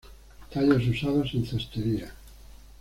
Tallos usados en cestería.